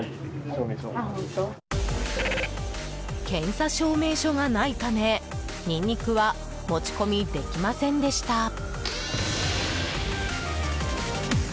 検査証明書がないためニンニクは持ち込みできませんでした。